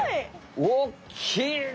おっきいね。